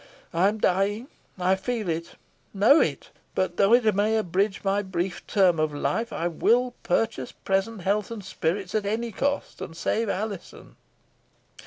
I am dying I feel it know it; but though it may abridge my brief term of life, I will purchase present health and spirits at any cost, and save Alizon.